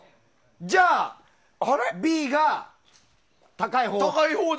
じゃあＢが高いほう？